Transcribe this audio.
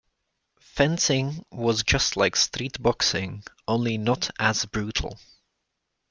Fencing was just like street boxing, only not as brutal.